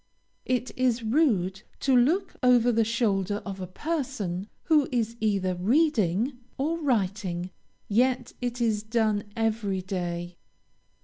It is rude to look over the shoulder of a person who is either reading or writing, yet it is done every day.